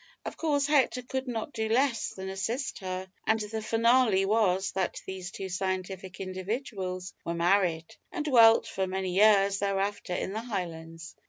Of course Hector could not do less than assist her, and the finale was, that these two scientific individuals were married, and dwelt for many years thereafter in the Highlands.